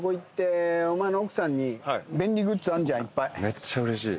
めっちゃうれしい。